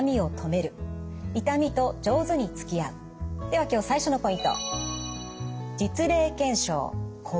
では今日最初のポイント。